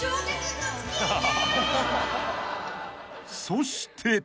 ［そして］